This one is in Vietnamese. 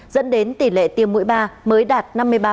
dẫn đến tỷ lệ tiêm mũi ba mới đạt năm mươi ba